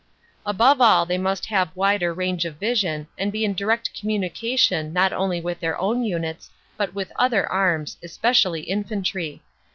Above all they must have wider range of vision and be in direct communication not only with their own units but with other arms, especially infantry.